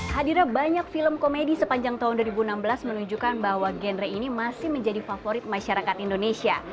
hadirnya banyak film komedi sepanjang tahun dua ribu enam belas menunjukkan bahwa genre ini masih menjadi favorit masyarakat indonesia